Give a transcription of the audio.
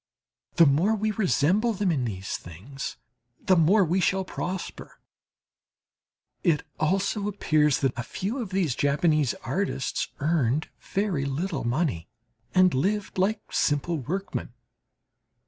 The more we resemble them in these things the more we shall prosper. It also appears that a few of these Japanese artists earned very little money and lived like simple workmen.